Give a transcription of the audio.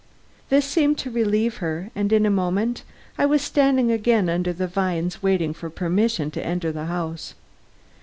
This seemed to relieve her and in a moment I was standing again under the vines waiting for permission to enter the house.